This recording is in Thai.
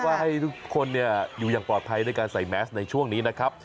ว่าให้ทุกคนอยู่อย่างปลอดภัยด้วยการใส่แมสในช่วงนี้นะครับ